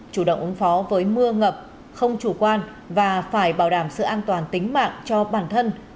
chủ động ứng phó với mưa ngập không chủ quan và phải bảo đảm sự an toàn tính mạng cho bản thân